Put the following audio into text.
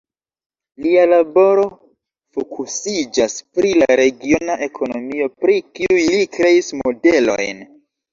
Lia laboro fokusiĝas pri la regiona ekonomio, pri kiuj li kreis modelojn.